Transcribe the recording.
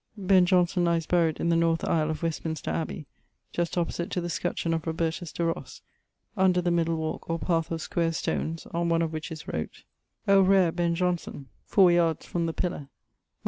[V.] Ben Johnson lyes buryed in the north aisle of Westminster Abbey, just opposite to the scutcheon of Robertus de Ros, under the middle walke or path of square stones, on one of which is wrote O RARE BEN JOHNSON [four yards from the pillar]. MS.